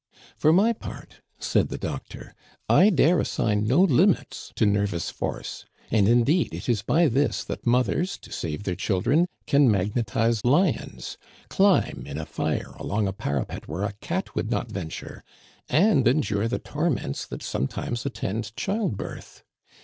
"For my part," said the doctor, "I dare assign no limits to nervous force. And indeed it is by this that mothers, to save their children, can magnetize lions, climb, in a fire, along a parapet where a cat would not venture, and endure the torments that sometimes attend childbirth.